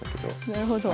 なるほど。